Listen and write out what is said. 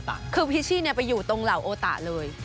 คือพิชชี่ไปอยู่ตรงเหล่าโอตะเลย